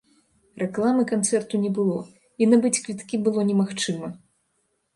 Рэкламы канцэрту не было і набыць квіткі было немагчыма.